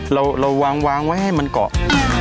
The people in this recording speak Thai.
เราวางไว้ให้มันเกาะ